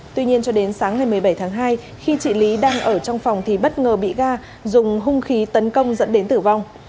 tuy nhiên cho đến sáng ngày một mươi bảy tháng hai khi chị lý đang ở trong phòng thì bất ngờ bị ga dùng hung khí tấn công dẫn đến tử vong